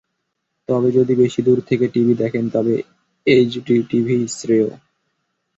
তবে যদি বেশি দূর থেকে টিভি দেখেন তবে এইচডি টিভিই শ্রেয়।